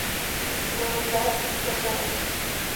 Дмааӡацт макьана…